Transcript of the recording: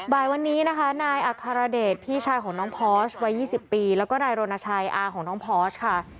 บ่ายวันนี้นะคะนายอัครเดชพี่ชายของน้องพอร์สวัย๒๐ปีแล้วก็นายรณชัยอาของน้องพอร์สค่ะ